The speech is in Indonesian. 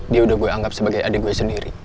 dia udah gue anggap sebagai adik gue sendiri